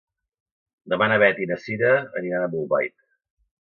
Demà na Beth i na Cira aniran a Bolbait.